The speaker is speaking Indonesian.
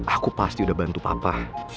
aku pasti udah bantu papa